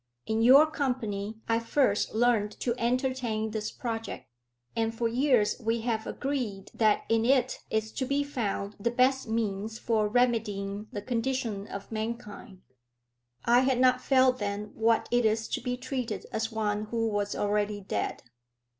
In your company I first learned to entertain this project, and for years we have agreed that in it is to be found the best means for remedying the condition of mankind." "I had not felt then what it is to be treated as one who was already dead."